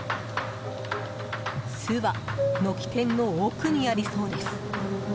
巣は、軒天の奥にありそうです。